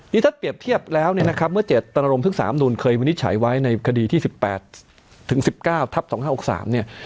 นี่ถ้าเปรียบเทียบแล้วเนี่ยนะครับเมื่อเจตนารมศึกษาอำนูลเคยวินิจฉัยไว้ในคดีที่๑๘ถึง๑๙ทับ๒๕๖๓เนี่ย